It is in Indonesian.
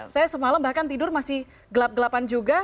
saya semalam bahkan tidur masih gelap gelapan juga